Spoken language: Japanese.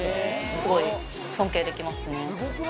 すごい尊敬できますね。